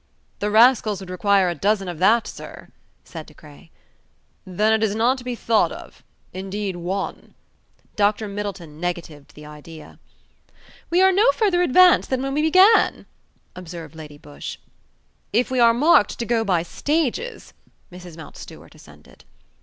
"The rascals would require a dozen of that, sir," said De Craye. "Then it is not to be thought of. Indeed one!" Dr. Middleton negatived the idea. "We are no further advanced than when we began," observed Lady Busshe. "If we are marked to go by stages," Mrs. Mountstuart assented.